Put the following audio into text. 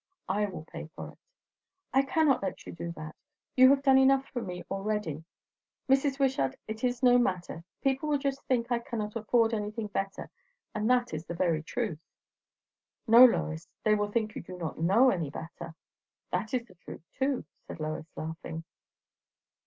"I will pay for it." "I cannot let you do that. You have done enough for me already. Mrs. Wishart, it is no matter. People will just think I cannot afford anything better, and that is the very truth." "No, Lois; they will think you do not know any better." "That is the truth too," said Lois, laughing.